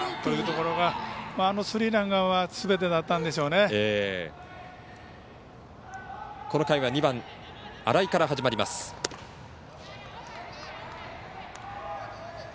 この回は２番、新井から始まります。